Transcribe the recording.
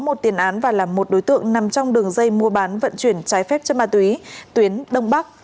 hiếu đã có một tiền án và là một đối tượng nằm trong đường dây mua bán vận chuyển trái phép chất ma túy tuyến đông bắc